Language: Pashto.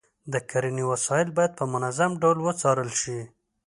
د کرنې وسایل باید په منظم ډول وڅارل شي.